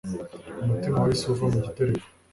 umutima wahise uva mugitereko